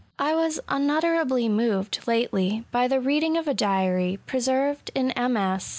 I was unutterably moved^ lately, by the reading of a diary, preserved in MS.